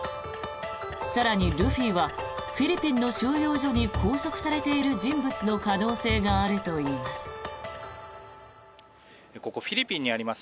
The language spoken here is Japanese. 更に、ルフィはフィリピンの収容所に拘束されている人物の可能性があるといいます。